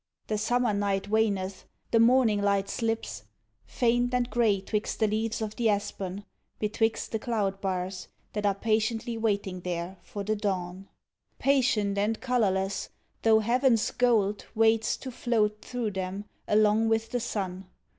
The summer night waneth, the morning light slips, Faint and grey 'twixt the leaves of the aspen, betwixt the cloud bars, That are patiently waiting there for the dawn: Patient and colourless, though Heaven's gold Waits to float through them along with the sun.